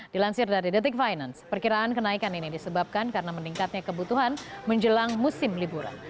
dilansir dari detik finance perkiraan kenaikan ini disebabkan karena meningkatnya kebutuhan menjelang musim liburan